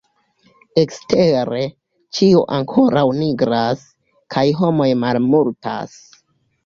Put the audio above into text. Ekstere, ĉio ankoraŭ nigras, kaj homoj malmultas.